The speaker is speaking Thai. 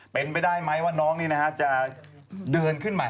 เป็นไปได้ไหมว่าน้องจะเดินขึ้นใหม่